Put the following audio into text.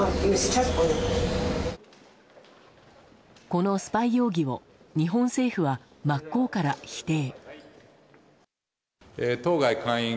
このスパイ容疑を日本政府は真っ向から否定。